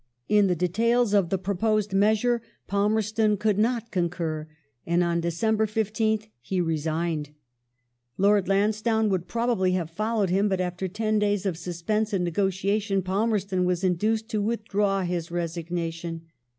In the details of the proposed measure Palmerston could not concur, and on December 15th he resigned. Lord Lansdowne would probably have followed him, but after ten days of suspense and negotiation Palmei ston was induced to withdraw his resignation.